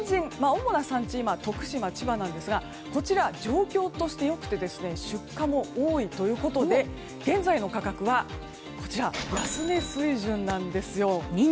おもな産地、今は徳島や千葉なんですがこちらは状況としては良くて出荷も多いということで現在の価格は安値水準です。